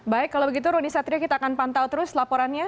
baik kalau begitu roni satrio kita akan pantau terus laporannya